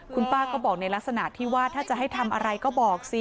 คุณป้าก็บอกในลักษณะที่ว่าถ้าจะให้ทำอะไรก็บอกสิ